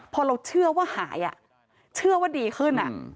พอเราเชื่อว่าหายเชื่อว่าดีขึ้น